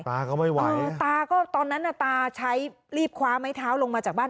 ตาก็ไม่ไหวตาก็ตอนนั้นน่ะตาใช้รีบคว้าไม้เท้าลงมาจากบ้าน